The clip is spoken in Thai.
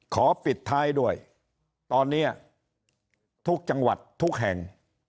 ขอปิดท้ายด้วยตอนนี้ทุกจังหวัดทุกแห่ง